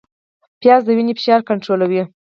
پیاز د وینې فشار کنټرولوي